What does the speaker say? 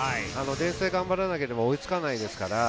頑張らないと追いつかないですから。